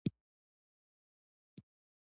د غرونو پۀ سرونو واوره وشوه